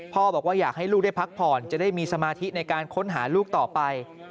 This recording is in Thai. บอกว่าอยากให้ลูกได้พักผ่อนจะได้มีสมาธิในการค้นหาลูกต่อไป